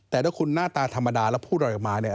แต่ถ้าคุณหน้าตาธรรมดาแล้วพูดอะไรออกมาเนี่ย